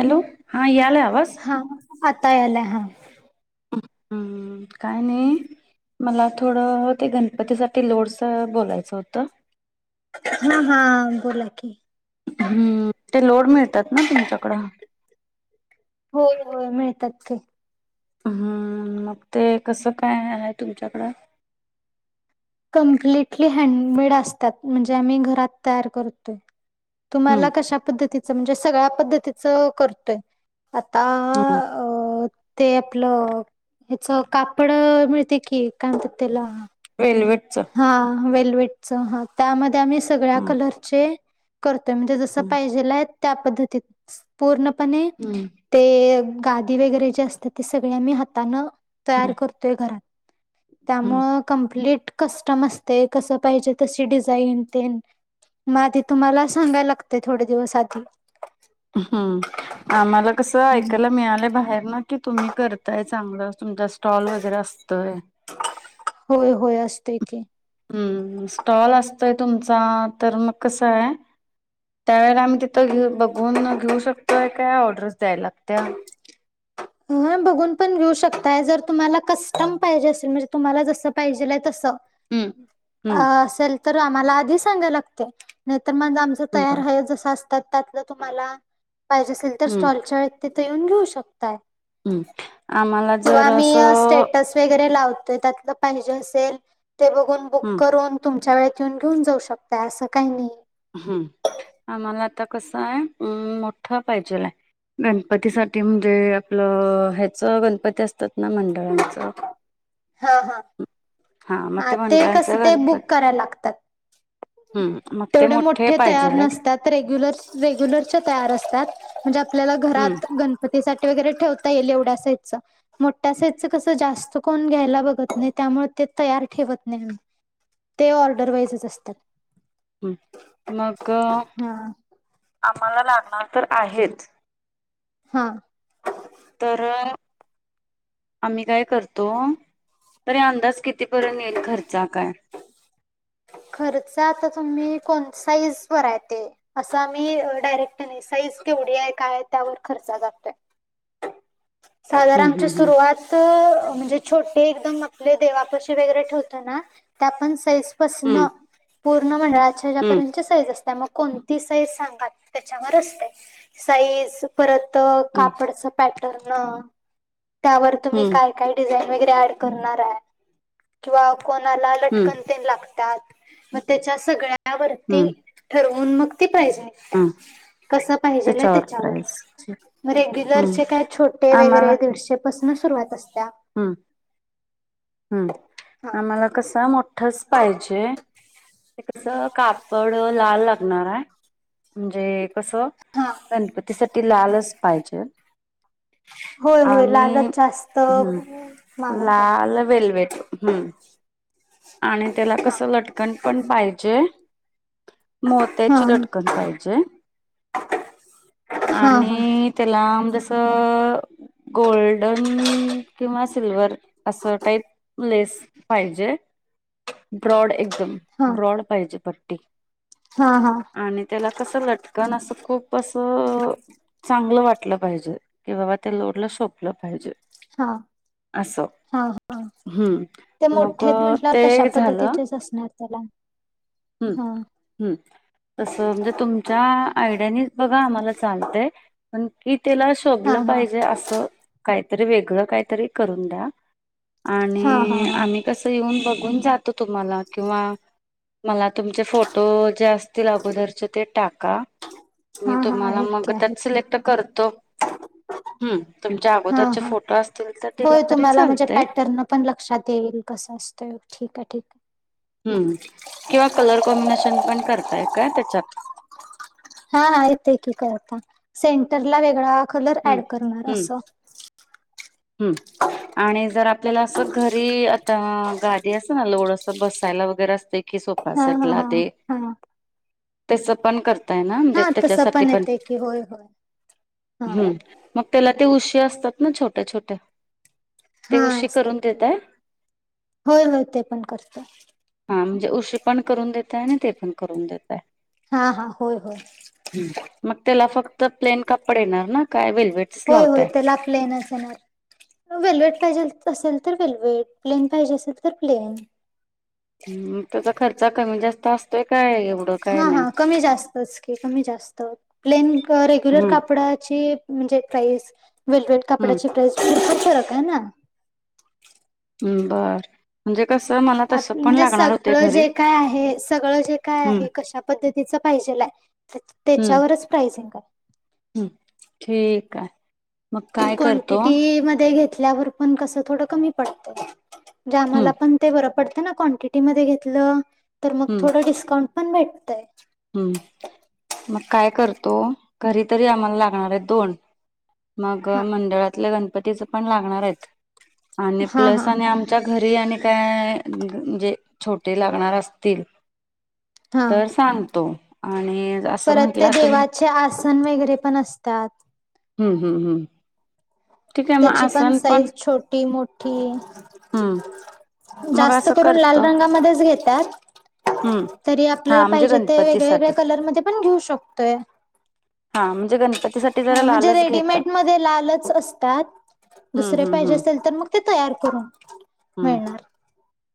Hello हा यालंय आवाज? हा आता यला हा हम्म काय नाही मला थोडं ते गणपतीसाठी लोडस बोलायचं होतं हा हा बोला की करतात ना तुमच्याकडं होय होय मिळतात ते हम्म मग ते कसं काय आहे तुमच्याकडं कंप्लिटली हँडमेड असतात म्हणजे आम्ही घरात तयार करतोय हम्म तुम्हाला कश्या पद्धतीचं म्हणजे सगळ्या पद्धतीचं करतोय. आता हम्म अ ते आपलं ह्याच कापड अ मिळते कि काय म्हणतात त्याला वेलवेटच हा वेल्वेट च ह त्यामध्ये आम्ही सगळ्या हम्म कलरचे कर ते म्हणजे जस हम्म पाहिजे त्या पद्धतीत पूर्णपणे हम्म ते गादी वगैरे जे असतात ते सगळे आम्ही हातानं तयार करतोय घरात हम्म त्यामुळे कमप्लीट कस्टम असते कस पाहिजे तशी डिझाईन ते मग आधी तुम्हाला सांगायला लागते थोडे दिवस आधी हम्म आम्हाला कसं ऐकायला मिळालं बाहेर ना कि तुम्ही करताय चांगलं तुमचा स्टॉल वगैरे असतोय ठीके. हम्म हम्म स्टॉल असतोय तुमचा तर मग कसं आहे. त्यावेेळेला आम्ही तिथं घेऊ बघून घेऊ शकतोय काय ऑर्डर्स द्यायला लागत्या [inaudible] हा बघून पण घेऊ शकताय जर तुम्हाला कस्टम पाहिजे असेल म्हणजे तुम्हाला जसं पाहिजेल आहे तसं हम्म अ हम्म असेल तर आम्हाला आधी सांगाव लागते. तर मग आमचं तयार हय जसं असतात त्यातलं तुम्हाला पाहिजे असेल तर हम्म स्टॉलच्या तिथे येऊन घेऊ शकताय हम्म आम्हाला हो जर आम्ही असं स्टेटस वगैरे लाव देतात त्या पाहीजे असल ते बघुन बुक हम्म करून तुमच्या व इथून घेऊन जाऊ शकता असं काही नाही. ह आम्हाला आता कसं आहे मोठा पाहिजेलाय. गणपतीसाठी म्हणजे आपलं ह्याच गणपती असतात ना मंडळांचं हा हा हा मग अ ते कस मंडळांचा ते बुक गणपती करायला लागतात. हम्म मग ते तेवढे मोठे तयार पाहिजेल आहेत. नसतात रेगुलर रेग्युलरच्या तयार असतात. म्हणजे आपल्याला हम्म घरात गणपतीसाठी. ठेवता येईल येवढं अस साईजच, मोठ्या साईजच अस जास्त कोण घ्यायला बगत नाही त्यामुळे ते ते तयार ठेवत नाही ते ऑर्डर वाईजच असतात. हम्म मग हा. आम्हाला लागणार तर आहेच. हा तर आम्ही काय करतो तर अंदाज कितीपर्यंत येईल खर्च काय? [inaudible] खर्च आता तुम्ही कोण साईज वर ये ते अस आम्ही डायरेक्ट नाही, साईज थोडी आहे काय त्यावर खर्च जातोय. [inaudible] हम्म साधारणच्या हम्म सुरुवात. म्हणजे छोटे एकदम आपले देवापाशी वैगेरे ठेवतो ना त्या पण साईज पासन हम्म पूर्ण मंडळाच्या्यापर्यंत साईज असते. त्या मग कोणती साईज सांगात त्याच्यावर असते. साईज परत हम्म कापडच पॅ त्यावर हम्म तुम्ही हम्म काय काय डिझाईन वगैरे ऍड करणार आहे. किंवा कोणाला हम्म लटकन तेन लागत्यात म त्याच्यात सगळ्या हम्म त्यावरती ठरवून मग पाहिजे हम्म कस पाहिजे त्याच्यावर प्राईस त्याच्यावर रेग्युलर हम्म चे काय टे आम्हाला वगैरे दीडशे पासून सुरुवात असते. हम्म हा हम्म आम्हाला कसा मो स पाहिजे ते कस कापड लाल लागणार आहे. म्हणजे कसं हा गणपतीसाठी लालच पाहिजे. होय होय आणि लालच जास्त. हम्म मागवतात लाल वेलवेट हम्म आणि त्याला हा. कसं लटकन पण पाहिजे. हा मोत्याची लटकन पाहिजे. हा हा आणि त्याला जस गोल्डन किंवा सिल्वर अस टाईप लेस पाहिजे ब्रॉड एक एकदम हा ब्रॉड पाहिजे पट्टी हा हा आणि त्याला कस लट कण असं खूप असं चांगलं वाटलं पाहिजे कि बाबा ते लोडलं शोभल पाहिजे. हा असो- हा हा हम्म मग ते पद्धतीच्या असणार त्याला हम, हा हम, ् तस म्हणजे तुमच्या आयडियानी आम्हाला चालतय पण की त्याला हा शोभलं हा पाहिजे असं काय वेगळ काहीतरी करून द्या हा हा आणि हा आम्ही कसं येऊन बघून जात तुम्हाला किंवा मला तुमचे फोटो जे असतील अगोदरचे ते टाका मी हा हा तुम्हाला आहेत मग की आहेत त्यात सिलेक्ट करतो. हम्म. तुमच्या हा अगोदरचे हा फोटो असतील तर दिला होय तरी चालतयं. कस असतोय? ठीक काय. ठीक हम्म किंवा कलर कॉम्बिनेशन पण करताय का त्याच्यात. हा, हा. येते की करता. सेंटरला वेगळा. कलर ॲड करणार अस. हम् आणि जर आपल्याला अस घरी आता गादी अस ना लोडस बसायला वगैरे असते की सोफ हा सेट हा ला हा ते हा त्याच पण करताय ना? म्हणजे हा तसं त्याच्यासाठी पण येते की होय होय - - हा हम्म. मग त्याला ते उशी असतात ना छोट्या छोट्या. ते हा उशी असतात करून की देतायं? होय होय ते पण करतो हा. म्हणजे उशी् पण करून देत ताय. ते पण करून देतायं. हा हा होय होय हं. मग तेला फक्त प्लेन कापड येणार ना? काय वेल होय, होय. तेला आपल्या हेनचं येणार. वेलवेट पाहिजे असेल तर वेलवेट. प्लेन पाहिजे असेल तर प्लेन. ह्. मग त्याचा खर्च कमी जास्त अस - - काय एवढ हा, हा. कमी जास्तच की, कमी जास्त प्लेन रेग्युलर हम्म. कापडाची - - म्हणजे प्राईस वेलवेेड हम्म कपड्याची प्राइस भरपुर फरक हाय ना. हम्म बर म्हणजे कसं मला त्यात तसं पण म्हणजे लागणार होते सगळं घरी जे काय आहे, सगळं जे काय हम्म. आहे. कश्या पद्धतीचं पाहिजेल हाय हम्म त्याच्यावरच प्राईज लिहतात. हम्म ठीक हाय. क्वांटिटी मध्ये घेतल्यावर पण कसं थोडं कमी पडत. जे हम्म आम्हाला पण ते बरं पडतं ना क्वांटिटी मध्ये घेतलं तर मग हम्म थोडं डिस्काउंट पण भेट - हम्म. मग काय करतो घरी तरी आम्हाला लागणार आहे दोन. मग हा मंडळातल्या गणपतीच पण लागणार आहेत आणि हा प्लस हा आणि आमच्या घरी आणि काय - - जे छोटे लागणार असतील हा तर सांगतो आ परत ते देवाचे आसन वगैरे पण असतात हम्म हम्म हम्म ठीक आहे मग त्याची पण आसन साईज छोटी मोठी हम्म मग जास्त असं करून करत लाल रंगामध्येच घेतात हम्म तरी आपल्याला हा म्हणजे पाहिजे ते वेगळ्या वेगळ्या गणपतीसाठी कलर मध्ये पण घेऊ शकतोय हा म्हणजे गणपतीसाठी जरा ह. म्हणजे लालच घेतात रेडमेड मध्ये लालच अस त्यात हम्म दुसरे पाहिजे असेल तर, मग ते तयार करून. हम्. मिळणार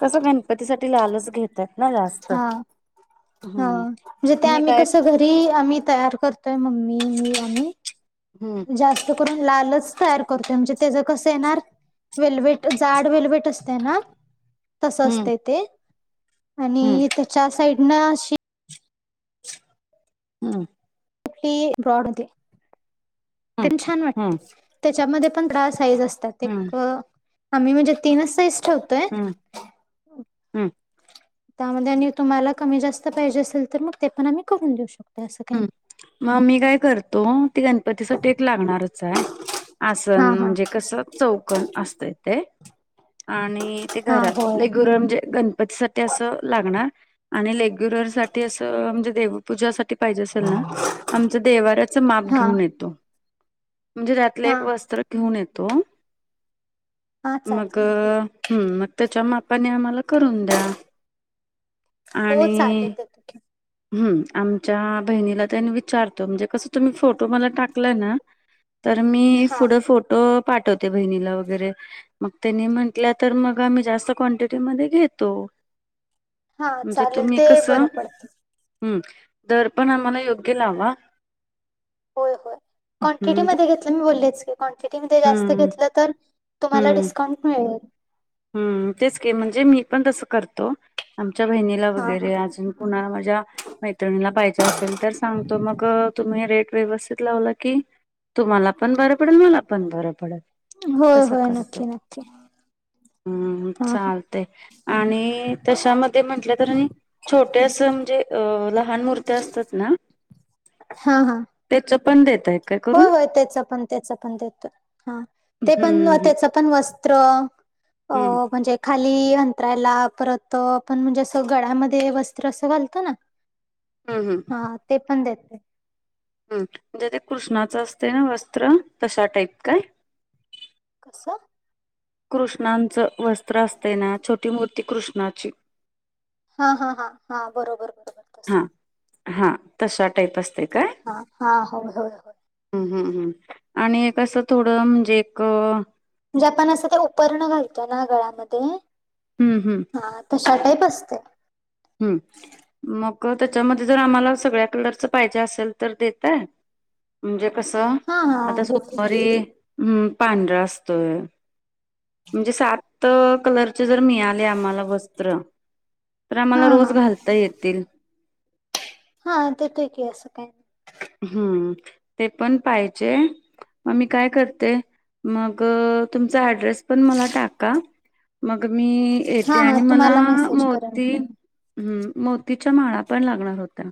कसं गणपतीसाठी लालच घेतात ना जास्त. हा हा. हम्म म्हणजे ते मी आम्ही काय कस घरी आम्ही तयार करतोय. मम्मी, मी, आम्ही. हम्म जास्त करून लालच तयार करतो म्हणजे तेज कस येणार वेलवेट जाड वेलवेट असतयं ना? तस हम्म असतय ते हम्म आणि त्याच्या साईडन अशी - - हम्. ती ब्रॉड घ्या. ते हम्म पण छान वाटत. हम्म त्याच्यामध्ये पण [unintelligible] साइज असत्यात. हम्म एक आम्ही म्हणजे तीनचं साईज ठेवतोयं. हम्म हम्म त्यामध्ये आणि तुम्हाला कमी जास्त पाहिजे असेल तर मग ते पण आम्ही करून देऊ शकतो असं काही हम्म. नाही. मग मी काय करतो. ती गणपतीसाठी एक लागणारच हाय. आसन हा हा म्हणजे कस चौकोन असत ते आणि ते हा घरात होय ल गुर म्हणजे गणपतीसाठी असं लागणार. आणि लेग्युलर साठी असं म्हणजे देवपूजासाठी - - पाहिजे असेल ना. आमच देवाऱ्याच माप हा घेऊन येतो. म्हणजे त्यातलं हा एक वस्त्र घेऊन येतो हा मग चालते की हम् मग त्याच्या मापाने आम्हाला करून द्या. हो चालेल देते की ह् आमच्या बहिणीला त्यांनी विचारतो म्हणजे कसं तुम्ही फोटो मला टाकलाय ना तर मी हा पुढं फोटो पाठवते बहिणीला वगैरे मग त्यांनी म्हंटल्या तर मग आम्ही जास्त क्वांटिटी मध्ये घेतो हा म्हणजे चालेल तुम्ही ते कस बरं पडतं हम् दर पण आम्हाला योग्य लावा होय होय क्वांटिटी हम्म मध्ये घेतलं मी बोलले क्वांटिटी म जास्त हम्म घेतलं तर तुम्हाला हम्म डिस्काउंट मिळेल हम्म तेच की म्हणजे मी पण तसं करतो आ च्या बहिणीला हा हा वगैरे अजून पु माझ्या मैत्रिणीला पाहा असेल तर सांगतो मग तुम्ही रेट व्यवस्थित लावला की तुम्हाला पण बरं पडेल मला पण बरं पडेल. होय तसं होय करतो नक्की नक्की. हम्म हा हा चालत आणि त्याशामध्ये म्हंटलं तर छोटे अस म्हणजे लहान मूर्ती असतात ना हा हा त्याच पण देतात हो होय तेच आपण तेच आपण ते देतो ते पण हम्म हम्म त्याच पण वस्त्र हम्म म्हणजे ख खाली अंतरायला परत आपण म्हणजे अस गळ्यामध्ये वस्त्र अस घालतो ना. हम्म हा ते पण देत. हम म्हणजे ते कृष्णाचं असते ना वस्त्र तशा टाईप काय? कसं कृष्णांचं वस्त्र असते ना छोटी मूर्ती कृष्णाची. हा हा हा हा बरोबर बरोबर तस हा आहे. हा तशा टाईप असते काय? हा होय होय होय आणि असं थोडं म्हणजे एक. जे पण असं ते उपरण घालतो ना गळा्यामध्ये हम्म हम्म हा तशा टाईप असत. असत हम्म मग त्याच्यामध्ये जर आम्हाला सगळ्या कलरच पाहिजे असेल तर देतय? म्हणजे कस हा हा आता ते ठीक सुमारी हं पांढरा असतोय. म्हणजे सात कलर. मिळाले आम्हाला वस्त्र हा आम्हाला हा रोज घालता येतील. हा तेथ क असं काही नाही. हम्म ते पण पाहिजे मग मी काय करते मग तुमचा ऍड्रेस पण मला टाका. मग मी हा येते हा आणि मला तुम्हाला मेसेज करेन मोती की मी. हम्म मोतीच्या माळा पण लागणार होत्या.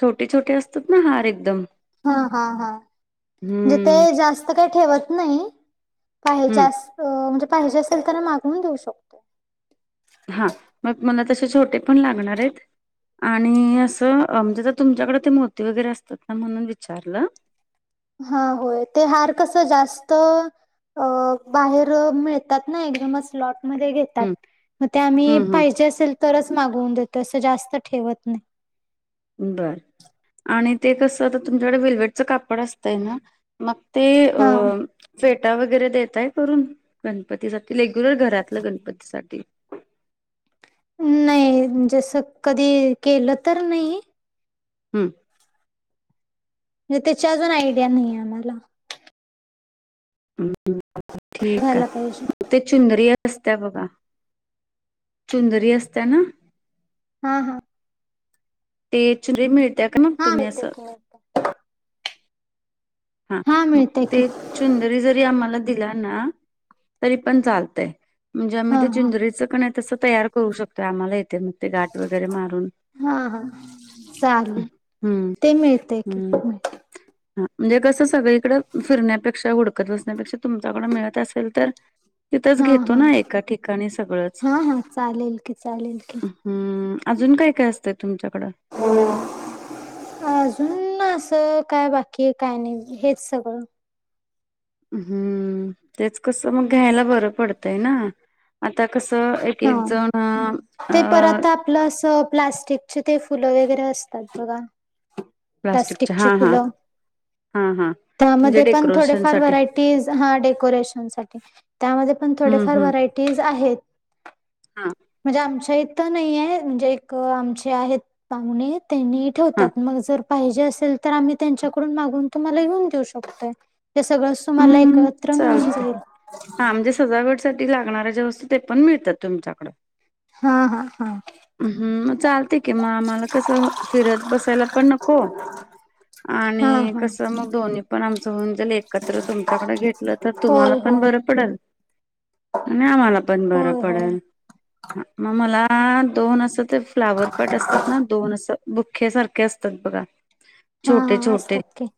छोटे छोटे असतात ना हार एकदम. हा हा हा म्हणजे ते हम्म जास्त काही ठेवत नाही. पाहिजे हम्म अस म्हणजे पाहिजे असेल तर मागून देऊ शकतो. हा मग मला तसे छोटे पण लागणार आहेत. आणि असं म्हणजे तुमच्याकडे ते मोती वगैरे असतात ना म्हणून विचारलं. हा होय ते हार कसं जास्त अ बाहेर मिळतात ना एकदमच लॉट. मध्ये घेतात हं, मग ते आम्ही हं, हं. पाहिजे असेल तरच मागवून देत. तस जास्त ठेवत नाही. बर आणि ते कस आता तुमच्याकडे वल्वेटचं कापड असतंय ना मग. ते अ हा फेक. टा वगैरे देतय करून गणपती साठी रेग्युलर घरातलं गणपती साठी. नाही जसं कधी केलं तर नाही. हम्म म्हणजे त्याच्या अजून आयडिया नाही आम्हाला. ठीक बघायला आहे पाहिजे मग ते चुंदरिया. असत्या बघा चुंदरी असत्या ना. हा हा ते चुंदरी मिळते का ना हा तुम्ही मिळते असं. की मिळते हा मग मिळते ते की चुंदरी जरी आम्हाला. दिला ना तरी पण चालतय. म्हणजे आम्ही हा ते हा चिंजरीचं कण आहे तसं तयार करू शकतोय आम्हाला इथे मग ते गाठ वगैरे मारून. हा हा, चालेल हम्म ते मिळतय की हम्म. हा म्हणजे कसं सगळीकड फिरण्यापेक्षा हुडकत बसण्यापेक्षा तुमच्याकडं मिळतं असेल तर तिथंच हा घेतो हा ना एका ठिकाणी सगळंच, हा हा चालेल की चालेल की हम्म अजून काय काय असतं? अजून असं काय बाकी काय नाही हेच सगळं. हम्म, तेच कसं मग घ्यायला बरं पडतंय ना आता कसं एक हा एक जण अ ते परत आपलं असं प्लास्टिकचे ते फुलं वगैरे असतात बघा प्लास्टिकच्या हा प्लास्टिकची हा फुलं हा हा म्हणजे त्यामध्ये पण डेकोरेशन थोडेफार साठी व्हरायटीज हा डेकोरेशन साठी, त्यामध्ये पण हम्म थोडेफार हम्म व्हरायटी ज आहेत. [inaudible] म्हणजे आमच्या इथं नाही म्हणजे एक आमचे आहेत पाहुणे त्यांनी हा. ठेवतात मग पाहिजे असेल तर आम्ही त्यांच्याकडून मागून तुम्हाला येेऊन देऊ शकतो. ते सगळंच तुम्हाला हम्म एकत्र मिळून जाईल. त्यासाठी लागणारे जे वस्तू ते पण मिळतातं तुमच्याकड. हा हा हम्म मग चालते की मग आम्हांला कसं फिरतं बसायला पण नको आणि हा हा कसं मग दोन्ही पण आमचं होऊन जाईल. एकत्र तुमच्याकडे घेतलं तर तुम्हांला होय पण होय बरं पडलं आणि आम्हांला पण बरं होय होय पडलं. ह मगं मला दोन असं ते फ्लोवर पोट असतात ना दोन असं बुख्या सारखे असतात बघा. हा छोटे हा छोटे असतात की.